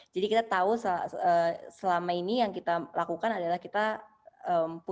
jadi kita tahu selama ini yang kita lakukan adalah kita melakukan